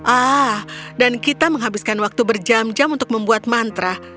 ah dan kita menghabiskan waktu berjam jam untuk membuat mantra